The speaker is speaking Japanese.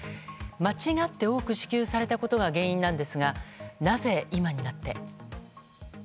間違って多く支給されたことが原因なんですがなぜ、今になって？